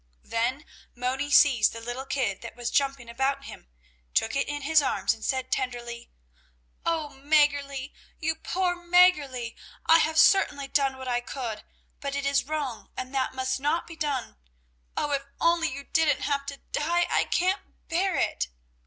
Then Moni seized the little kid, that was jumping about him, took it in his arms and said tenderly: "Oh, Mäggerli, you poor Mäggerli! I have certainly done what I could, but it is wrong, and that must not be done. Oh, if only you didn't have to die! I can't bear it!"